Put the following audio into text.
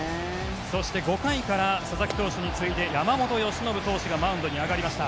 そして、５回から佐々木投手に次いで山本由伸投手がマウンドに上がりました。